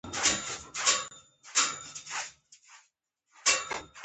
د هغوی په اړه فکر نه جنګوي